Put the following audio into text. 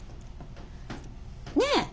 ねえ？